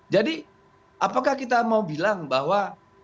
jadi apakah kita mau bilang bahwa